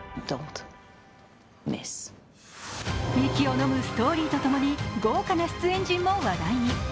息をのむストーリーとともに、豪華な出演陣も話題に。